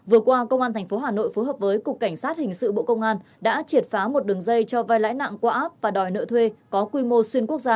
vừa qua công an tp hà nội phối hợp với cục cảnh sát hình sự bộ công an đã triệt phá một đường dây cho vai lãi nặng qua app và đòi nợ thuê có quy mô xuyên quốc gia